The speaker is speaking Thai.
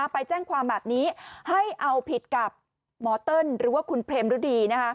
ไปแจ้งความแบบนี้ให้เอาผิดกับหมอเติ้ลหรือว่าคุณเพรมฤดี